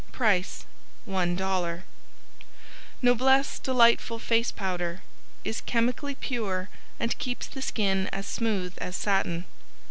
Price $1.00 Noblesse Delightful Face Powder Is chemically pure and keeps the skin as smooth as satin.